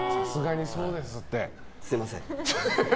すみません。